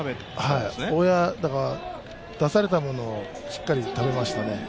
出されたものをしっかり食べましたね。